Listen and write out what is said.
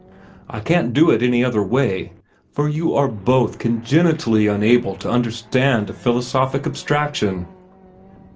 I can't do it any other way, for you are both congenitally unable to understand a philosophic abstraction.